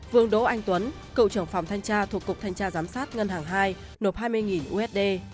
vương đỗ anh tuấn cựu trưởng phòng thanh tra thuộc cục thanh tra giám sát ngân hàng hai nộp hai mươi usd